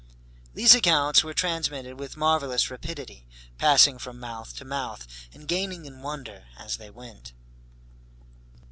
These accounts were transmitted with marvelous rapidity, passing from mouth to mouth, and gaining in wonder as they went.